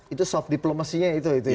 itu soft diplomasinya itu ya pak ya